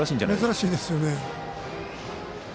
珍しいですよね。